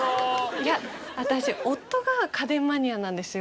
いや私夫が家電マニアなんですよ。